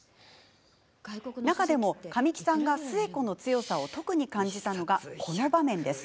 中でも神木さんが寿恵子の強さを特に感じたのが、この場面です。